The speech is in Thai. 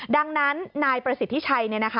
ดังนั้นนายประสิทธิชัย